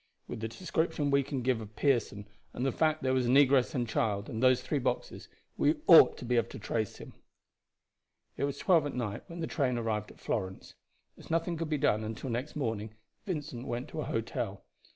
With the description we can give of Pearson, and the fact that there was a negress and child, and those three boxes, we ought to be able to trace him." It was twelve at night when the train arrived at Florence. As nothing could be done until next morning Vincent went to an hotel.